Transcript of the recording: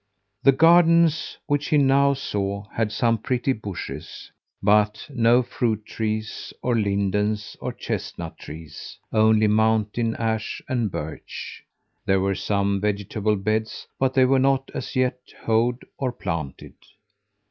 The gardens which he now saw had some pretty bushes, but no fruit trees or lindens or chestnut trees only mountain ash and birch. There were some vegetable beds, but they were not as yet hoed or planted.